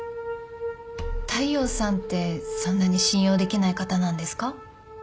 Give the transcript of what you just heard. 大陽さんってそんなに信用できない方なんですか？